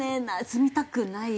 住みたくない。